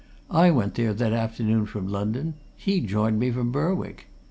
I went there that afternoon from London; he joined me from Berwick.